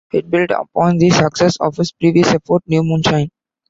It built upon the success of his previous effort, "New Moon Shine".